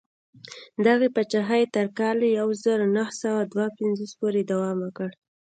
دغې پاچاهۍ تر کال یو زر نهه سوه دوه پنځوس پورې دوام وکړ.